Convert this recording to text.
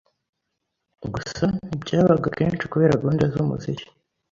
gusa ntibyabaga kenshi kubera gahunda z’umuziki.